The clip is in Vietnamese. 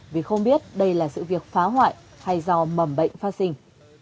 vì không biết đây là sự việc phá hoại hay do mầm bệnh phát sinh